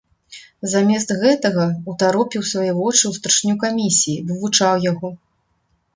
Замест гэтага ўтаропіў свае вочы ў старшыню камісіі, вывучаў яго.